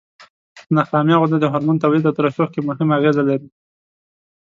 نخامیه غده د هورمون تولید او ترشح کې مهمه اغیزه لري.